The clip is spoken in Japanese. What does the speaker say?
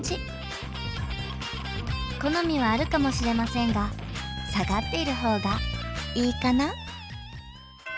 好みはあるかもしれませんが下がっている方がいいかな？